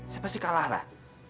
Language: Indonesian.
saya pasti kalah lah